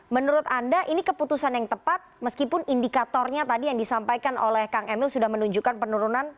menurut anda ini keputusan yang tepat meskipun indikatornya tadi yang disampaikan oleh kang emil sudah menunjukkan penurunan